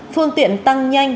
phương tiện tăng nhanh